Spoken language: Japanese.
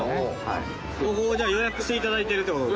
ここをじゃあ予約していただいてるという事で。